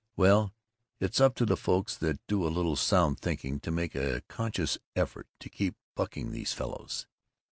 Well, it's up to the folks that do a little sound thinking to make a conscious effort to keep bucking these fellows.